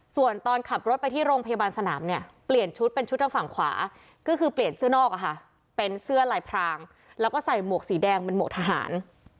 ส่วนตอนขับรถไปที่โรงพยาบาลสนามเนี่ยเปลี่ยนชุดเป็นชุดทางฝั่งขวาก็คือเปลี่ยนเสื้อนอกเป็นเสื้อลายพรางแล้วก็ใส่หมวกสีแดงเป็นหมวกทหาร